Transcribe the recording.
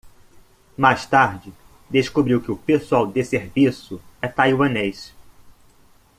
Mais tarde descobriu que o pessoal de serviço é taiwanês